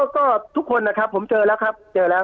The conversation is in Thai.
ก็ทุกคนนะครับผมเจอแล้วครับ